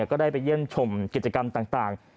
ก็ได้ไปเยี่ยมชมกิจกรรมต่าง